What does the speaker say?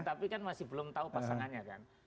tapi kan masih belum tahu pasangannya kan